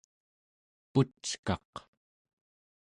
puckaq